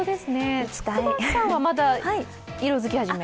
筑波山はまだ色づき始め？